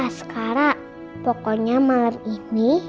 askara pokoknya malam ini